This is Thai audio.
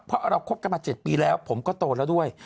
เพราะเราคบกันมา๗ปีแล้วผมก็โตแล้วด้วย